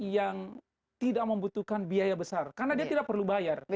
yang tidak membutuhkan biaya besar karena dia tidak perlu bayar